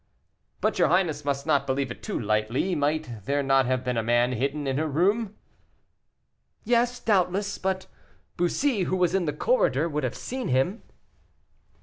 "But your highness must not believe it too lightly; might there not have been a man hidden in her room?" "Yes, doubtless, but Bussy, who was in the corridor, would have seen him."